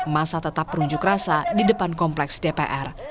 masa tetap berunjuk rasa di depan kompleks dpr